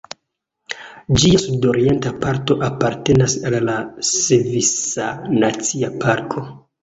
Ĝia sudorienta parto apartenas al la Svisa Nacia Parko.